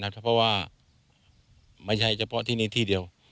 เพราะว่าไม่ใช่เฉพาะที่นี่ที่เดียว